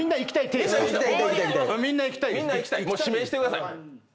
指名してください。